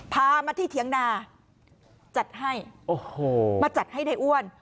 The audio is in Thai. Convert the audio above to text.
พามาที่เถียงนาจัดให้มาจัดให้นายอ้วน